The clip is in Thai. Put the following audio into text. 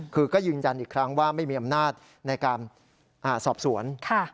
คือก็ยืนยันอีกครั้งว่าไม่มีอำนาจในการสอบสวน